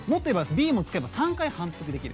Ｂも使えば３回反復できる。